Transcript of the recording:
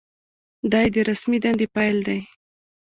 دا یې د رسمي دندې پیل دی.